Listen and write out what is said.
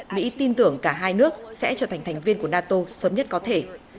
mỹ tin tưởng cả hai nước sẽ trở thành thành viên của nato sớm nhất có thể